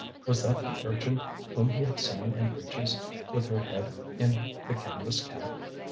Was that the urchin whom he had seen in breeches, with her head in the canvas cap?